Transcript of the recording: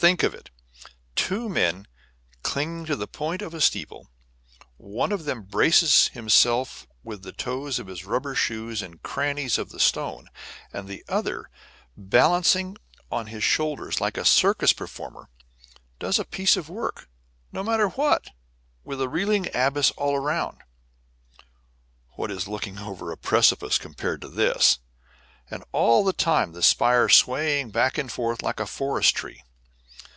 Think of it! Two men clinging to the point of a steeple. One of them braces himself with the toes of his rubber shoes in crannies of the stone, and the other, balancing on his shoulders like a circus performer, does a piece of work, no matter what, with a reeling abyss all around (what is looking over a precipice compared to this?), and all the time the spire swaying back and forth like a forest tree.